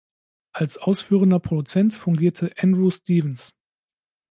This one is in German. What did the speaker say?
Als Ausführender Produzent fungierte Andrew Stevens.